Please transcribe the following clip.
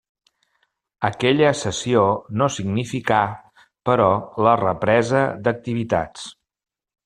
Aquella sessió no significà, però, la represa d'activitats.